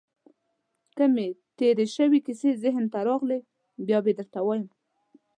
که مې تېرې شوې کیسې ذهن ته راغلې، بیا يې درته وایم.